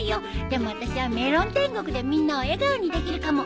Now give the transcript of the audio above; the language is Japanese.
でもあたしはメロン天国でみんなを笑顔にできるかも。